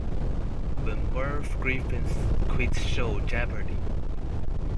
When Merv Griffin's quiz show Jeopardy!